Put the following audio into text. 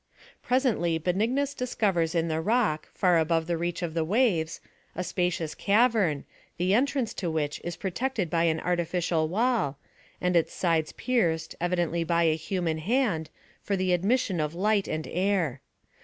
Presently Benignus discovers in the rock, far above the reach of the waves, a spacious cavern, the entrance to which is protected by an artificial wall, and its sides pierced, evidently by a human hand, for the admissior. of light and air.